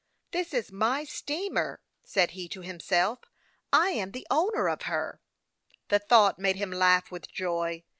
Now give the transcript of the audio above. " This is my steamer," saLl he to himself. " I am the owner of her." The thought made him laugh with joy.